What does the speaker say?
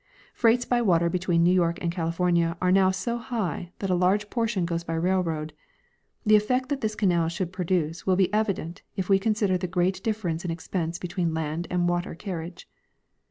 Freights by water between New York and California are now so high that a large portion goes by railroad. The effect that this canal should produce will be evident if we consider the great difference in expense between land and water carriage.